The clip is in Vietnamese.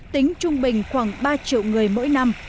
tính trung bình khoảng ba triệu người mỗi năm